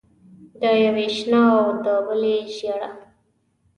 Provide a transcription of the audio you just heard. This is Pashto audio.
د یوې شنه او د بلې ژېړه.